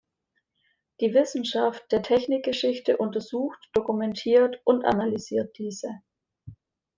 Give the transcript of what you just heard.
Die Wissenschaft der Technikgeschichte untersucht, dokumentiert und analysiert diese.